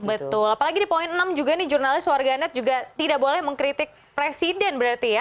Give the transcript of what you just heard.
betul apalagi di poin enam juga nih jurnalis warganet juga tidak boleh mengkritik presiden berarti ya